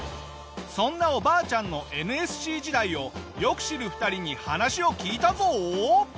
そんなおばあちゃんのＮＳＣ時代をよく知る２人に話を聞いたぞ！